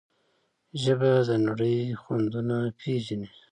ژبه د نړۍ خوندونه پېژني.